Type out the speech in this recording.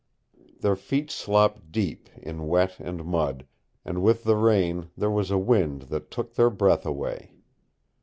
Their feet slopped deep in wet and mud, and with the rain there was a wind that took their breath away.